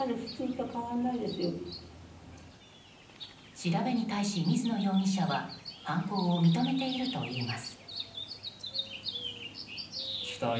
調べに対し、水野容疑者は犯行を認めているといいます。